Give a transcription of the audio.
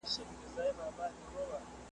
هم شهید مقتدي پروت دی هم مُلا په وینو سور دی ,